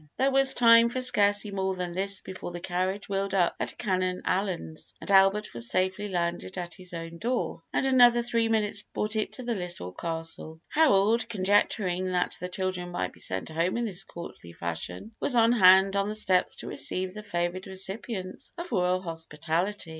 There was time for scarcely more than this before the carriage wheeled up at Canon Allyn's, and Albert was safely landed at his own door, and another three minutes brought it to the Little Castle. Harold, conjecturing that the children might be sent home in this courtly fashion, was on hand on the steps to receive the favored recipients of royal hospitality.